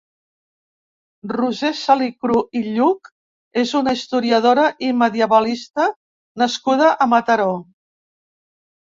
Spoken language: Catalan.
Roser Salicrú i Lluch és una historiadora i medievalista nascuda a Mataró.